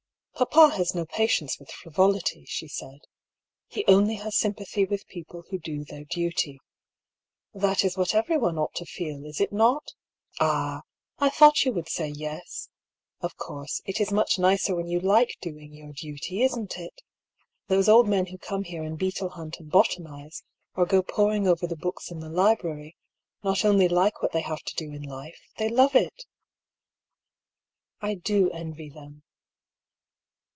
"Papa has no patience with frivolity," she said. " He only has sympathy with people who do their duty. EXTRACT PROM DIARY OF HUGH PAULL. 35 That is what every one ought to feel, is it not ? Ah ! I thought you would say * Yes.' Of course, it is much nicer when you like doing your duty, isn't it? Those old men who come here and beetle hunt and botanise, or go poring over the books in the library, not only like what they have to do in life, they love it I do envy them."